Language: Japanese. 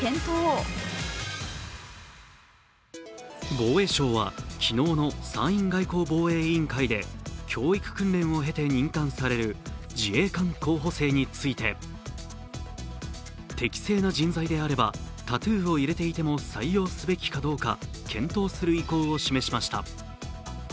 防衛省は昨日の参院外交防衛委員会で教育訓練を経て任官される自衛官候補生について適正な人材であればタトゥーを入れていても採用すべきかどうか検討する意向を示しました。